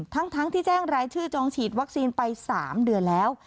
ทั้งที่แจ้งรายชื่อจองฉีดวัคซีนไป๓เดือนแล้ว